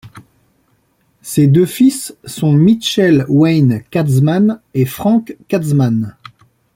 Ses deux fils sont Mitchell Wayne Katzman et Frank Katzman.